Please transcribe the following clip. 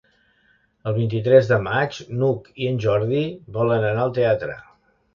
El vint-i-tres de maig n'Hug i en Jordi volen anar al teatre.